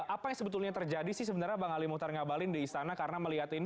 apa yang sebetulnya terjadi sih sebenarnya bang ali muhtar ngabalin di istana karena melihat ini